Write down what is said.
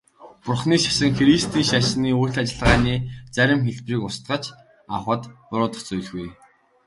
Бурханы шашин христийн шашны үйл ажиллагааны зарим хэлбэрийг тусгаж авахад буруудах зүйлгүй.